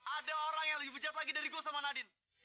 ada orang yang lebih pejat lagi dari gue sama nadine